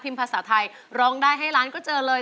ภาษาไทยร้องได้ให้ล้านก็เจอเลย